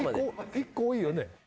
１個多いよね。